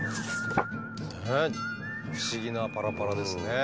ねえ不思議なパラパラですね。